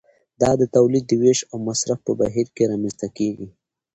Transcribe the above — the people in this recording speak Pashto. دا د تولید د ویش او مصرف په بهیر کې رامنځته کیږي.